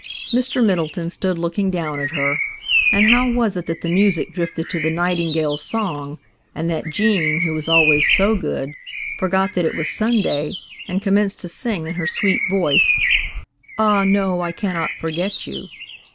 Mr. Middleton stood looking down at her–we all think he is very fond of Gene–and how was it that the music drifted to the nightingale's song, and that Gene, who is always so good, forgot that it was Sunday and commenced to sing, in her sweet voice, "Ah, no, I cannot forget you?"